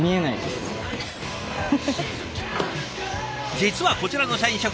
実はこちらの社員食堂